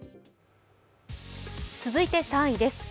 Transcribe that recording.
続いて３位です。